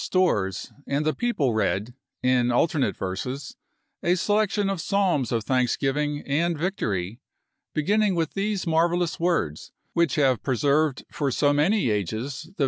Storrs and the people read, in alternate verses, a selection of psalms of thanks giving and victory, beginning with these marvelous THE FOURTEENTH OF APRIL 279 words which have preserved for so many ages the chap.